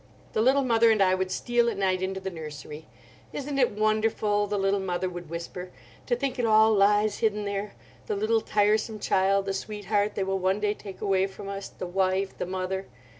The Little Mother and I would steal at night into the nursery. 'Isn't it wonderful,' the Little Mother would whisper, 'to think it all lies hidden there: the little tiresome child, the sweetheart they will one day take away from us, the wife, the mother?